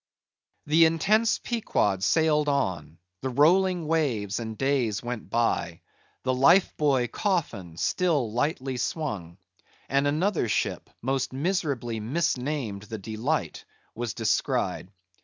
The intense Pequod sailed on; the rolling waves and days went by; the life buoy coffin still lightly swung; and another ship, most miserably misnamed the Delight, was descried.